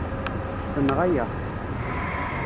Tenɣa-yaɣ-t.